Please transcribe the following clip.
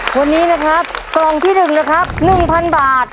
คนนี้นะครับกล่องที่๑นะครับ๑๐๐บาท